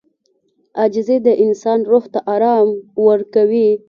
• عاجزي د انسان روح ته آرام ورکوي.